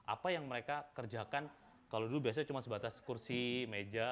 apa yang mereka kerjakan kalau dulu biasanya cuma sebatas kursi meja